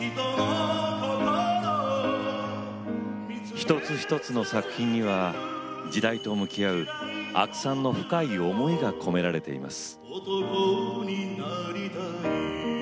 一つ一つの作品には時代と向き合う阿久さんの深い思いが込められています。